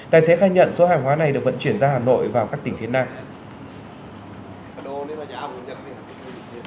tài xế khai nhận số hàng hóa này được vận chuyển ra hà nội vào các tỉnh phía nam